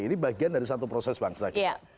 ini bagian dari satu proses bangsa kita